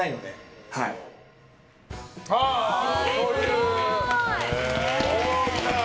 すごい！